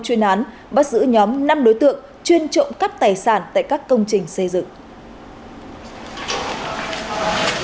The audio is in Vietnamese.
chuyên án bắt giữ nhóm năm đối tượng chuyên trộm cắp tài sản tại các công trình xây dựng